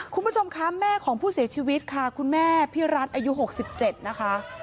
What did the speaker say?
คุณผู้ชมคะแม่ของผู้เสียชีวิตค่ะคุณแม่พี่รัฐอายุ๖๗นะคะ